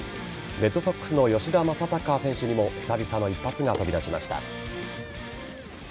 レッドソックスの吉田正尚選手にも久々の一発が飛び出しました。